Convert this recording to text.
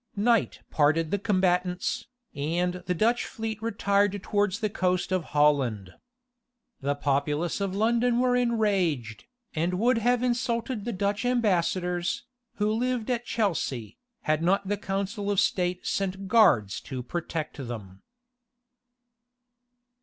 Night parted the combatants, and the Dutch fleet retired towards the coast of Holland. The populace of London were enraged, and would have insulted the Dutch ambassadors, who lived at Chelsea, had not the council of state sent guards to protect them.